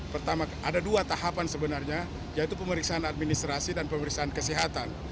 pertama ada dua tahapan sebenarnya yaitu pemeriksaan administrasi dan pemeriksaan kesehatan